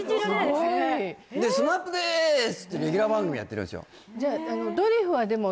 すごいで「ＳＭＡＰでーす」ってレギュラー番組やってるんですよ